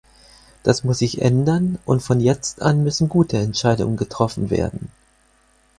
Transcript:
Das muss sich ändern und von jetzt an müssen gute Entscheidungen getroffen werden.